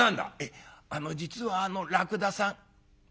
「あの実はあのらくださん」。